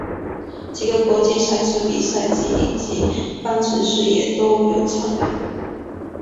几个国际赛车比赛及一级方程式也都有参与。